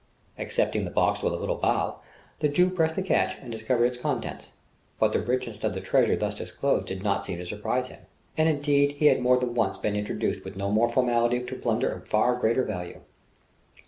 Accepting the box with a little bow, the Jew pressed the catch and discovered its contents. But the richness of the treasure thus disclosed did not seem to surprise him; and, indeed, he had more than once been introduced with no more formality to plunder of far greater value.